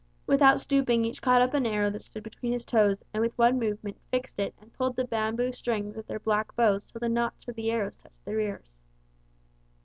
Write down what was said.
Without stooping each caught up an arrow that stood between his toes and with one movement fixed it and pulled the bamboo strings of their black bows till the notch of the arrows touched their ears.